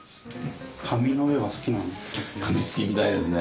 紙の上が好きなんですね？